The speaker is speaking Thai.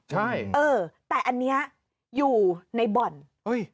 ใช่เออแต่อันเนี้ยอยู่ในบ่อนเอ้ย